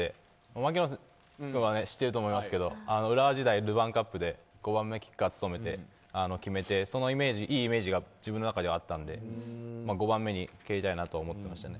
槙野さんは知ってるかもしれませんが浦和時代、ルヴァンカップで５番キッカー務めて決めてい、いいイメージが自分の中だったので５番目に蹴りたいなと思ってましたね。